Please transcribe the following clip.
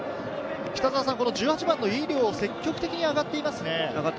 １８番の井料、積極的に上がっていますね。